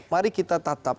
mari kita tatap